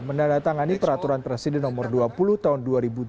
menandatangani peraturan presiden nomor dua puluh tahun dua ribu dua puluh